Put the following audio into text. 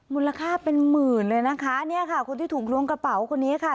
มูลค่าเป็นหมื่นเลยนะคะเนี่ยค่ะคนที่ถูกล้วงกระเป๋าคนนี้ค่ะ